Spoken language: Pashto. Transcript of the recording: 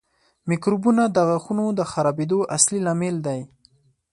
میکروبونه د غاښونو د خرابېدو اصلي لامل دي.